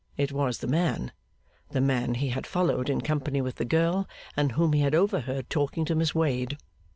It was the man; the man he had followed in company with the girl, and whom he had overheard talking to Miss Wade.